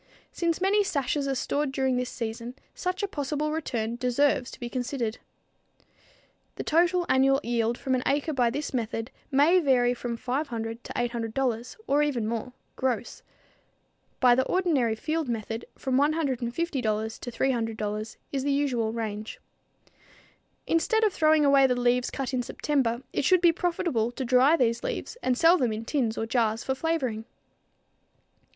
Since many sashes are stored during this season, such a possible return deserves to be considered. The total annual yield from an acre by this method may vary from $500 to $800 or even more gross. By the ordinary field method from $150 to $300 is the usual range. Instead of throwing away the leaves cut in September, it should be profitable to dry these leaves and sell them in tins or jars for flavoring.